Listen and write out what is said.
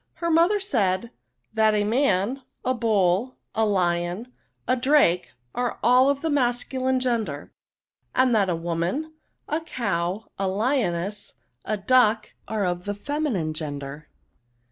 Her mother said, that a man, a bull, a ' lion, a drake, are all of the masculine gender ; and that a woman, a cow, a lioness, a duck, are of the feminine gender.